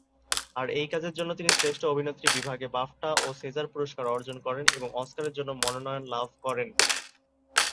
তার এই কাজের জন্য তিনি শ্রেষ্ঠ অভিনেত্রী বিভাগে বাফটা ও সেজার পুরস্কার অর্জন করেন এবং অস্কারের মনোনয়ন লাভ করেন।